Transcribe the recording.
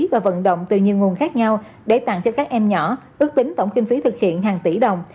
và vận động từ nhiều nguồn khác nhau để tặng cho các em nhỏ ước tính tổng kinh phí thực hiện hàng tỷ đồng